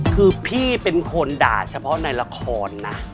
คือพี่เป็นคนด่าเฉพาะในละครนะ